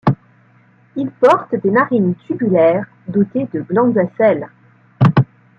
Ils portent des narines tubulaires dotées de glandes à sel.